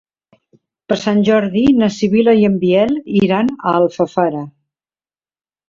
Per Sant Jordi na Sibil·la i en Biel iran a Alfafara.